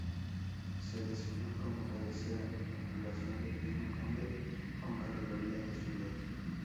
Se designó como cabecera la población del mismo nombre con categoría de ciudad.